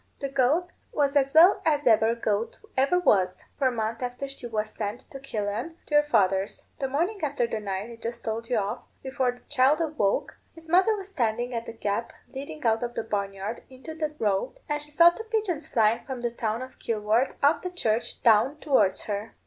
The goat was as well as e'er goat ever was, for a month after she was sent to Killaan, to your father's. The morning after the night I just told you of, before the child woke, his mother was standing at the gap leading out of the barn yard into the road, and she saw two pigeons flying from the town of Kilworth off the church down towards her.